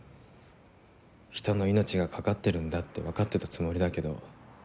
人の命が懸かってるんだってわかってたつもりだけど。